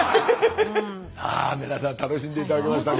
さあ皆さん楽しんで頂けましたか？